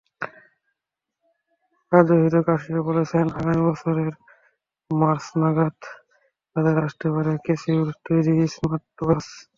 Kazuhiro cashew বলেছেন, আগামী বছরের মার্চ নাগাদ বাজারে আসতে পারে ক্যাসিওর তৈরি স্মার্টওয়াচ।